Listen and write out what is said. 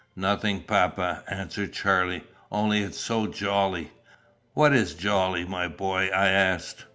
"Nothing, papa," answered Charlie. "Only it's so jolly!" "What is jolly, my boy?" I asked.